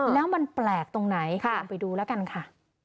แล้วมันแปลกตรงไหนลองไปดูแล้วกันค่ะ